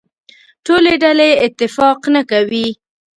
ټولې ډلې اتفاق نه کوي.